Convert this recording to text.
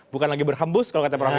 bukan lagi berhembus kalau kata prof